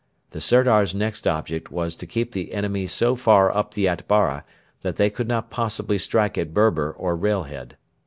The Sirdar's next object was to keep the enemy so far up the Atbara that they could not possibly strike at Berber or Railhead.